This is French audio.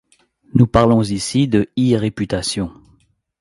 Nous parlons ici de E-réputation.